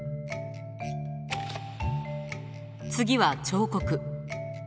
次は彫刻。